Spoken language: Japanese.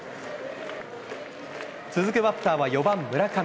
続くバッターは４番村上。